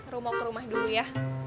rumok ke rumah dulu ya